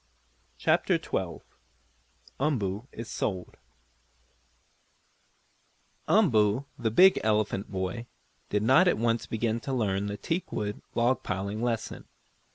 CHAPTER XII UMBOO IS SOLD Umboo, the big elephant boy, did not at once begin to learn the teakwood log piling lesson.